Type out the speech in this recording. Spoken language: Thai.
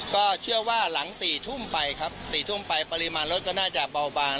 ก็เชื่อว่าหลัง๔ทุ่มไปครับ๔ทุ่มไปปริมาณรถก็น่าจะเบาบาง